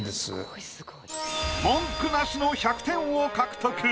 文句なしの１００点を獲得。